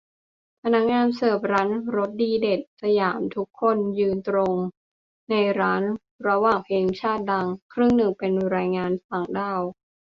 พนักงานเสิร์ฟร้านรสดีเด็ด สยาม ทุกคนยืนตรง ในร้าน ระหว่างเพลงชาติดัง ครึ่งนึงเป็นแรงงานต่างด้าว